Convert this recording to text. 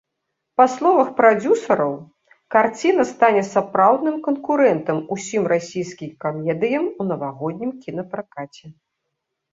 Па словах прадзюсараў, карціна стане сапраўдным канкурэнтам усім расійскім камедыям у навагоднім кінапракаце.